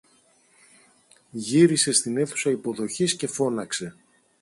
Γύρισε στην αίθουσα υποδοχής και φώναξε